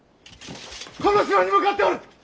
この城に向かっておる！